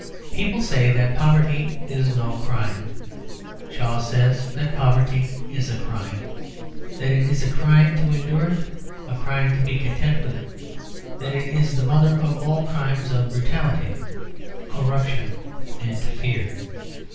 People say that poverty is no crime; Shaw says that poverty is a crime; that it is a crime to endure it, a crime to be content with it, that it is the mother of all crimes of brutality, corruption, and fear.